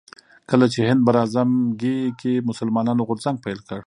کله چې هند براعظمګي کې مسلمانانو غورځنګ پيل کړ